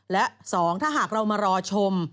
และ๒ถ้าหากเรามารอชม